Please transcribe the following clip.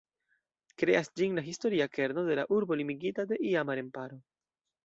Kreas ĝin la historia kerno de la urbo limigita de iama remparo.